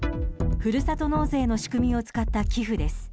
ふるさと納税の仕組みを使った寄付です。